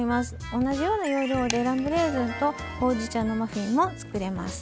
同じような要領でラムレーズンとほうじ茶のマフィンも作れます。